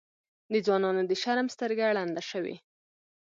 د ځوانانو د شرم سترګه ړنده شوې.